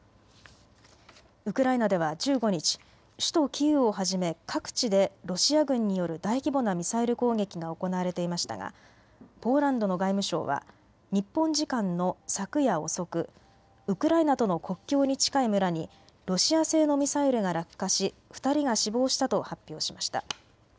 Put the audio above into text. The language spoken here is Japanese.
ウクライナでは１５日、首都キーウをはじめ各地でロシア軍による大規模なミサイル攻撃が行われていましたがポーランドの外務省は日本時間の昨夜遅くウクライナとの国境に近い村にロシア製のミサイルが落下し、２人が死亡したと発表しました。